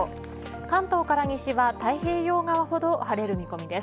関東から西は太平洋側ほど晴れる見込みです。